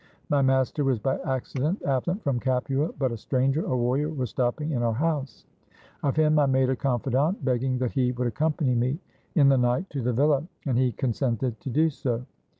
My master was by accident absent from Capua, but a stranger, a warrior, was stopping in our house; of him I made a confidant, begging that he would accompany me in the night to the villa, and he consented to do so.